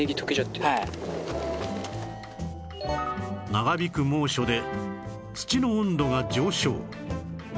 長引く猛暑で土の温度が上昇